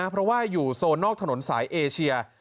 เพราะว่าอยู่โซนนอกถนนสายเอเชีย